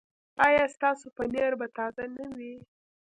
ایا ستاسو پنیر به تازه نه وي؟